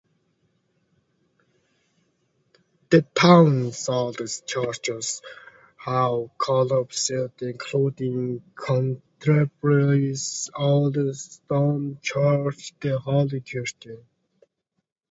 The town's oldest churches have collapsed, including Canterbury's oldest stone church, the Holy Trinity.